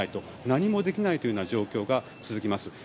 何もできないというような状況が続きます。